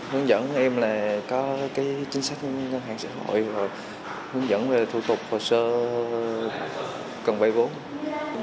hướng dẫn em là có chính sách ngân hàng xã hội và hướng dẫn về thủ tục hồ sơ cần vay vốn